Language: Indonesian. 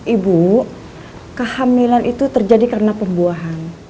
ibu kehamilan itu terjadi karena pembuahan